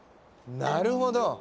なるほど！